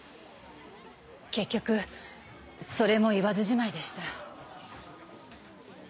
結局それも言わずじまいでした。